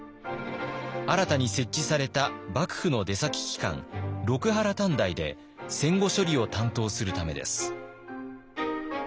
新たに設置された幕府の出先機関六波羅探題で戦後処理を担当するためです。